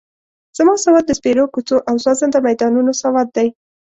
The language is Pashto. زما سواد د سپېرو کوڅو او سوځنده میدانونو سواد دی.